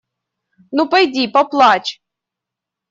Ну пойди, поплачь!